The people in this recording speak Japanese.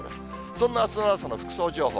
そんなあすの朝の服装情報。